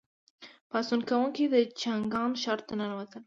پاڅون کوونکي د چانګان ښار ته ننوتل.